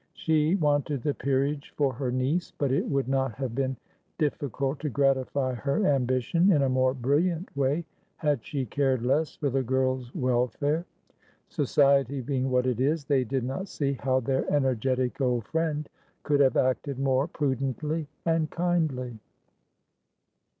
She wanted the peerage for her niece; but it would not have been difficult to gratify her ambition in a more brilliant way, had she cared less for the girl's welfare. Society being what it is, they did not see how their energetic old friend could have acted more prudently and kindly.